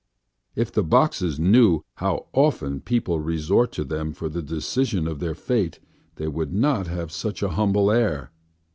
If the boxes knew how often people resort to them for the decision of their fate, they would not have such a humble air.